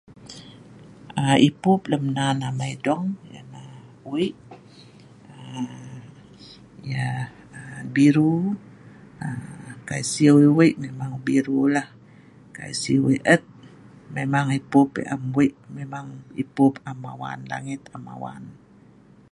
Ipup lem nan amai dong siknah weik ya biru, aa kai siu weik memang biru lah, kai siu ai et memang ipup am weik memang ipup am mawan, langet am mawan